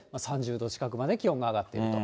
１５＋１５で、３０度近くまで気温が上がっていると。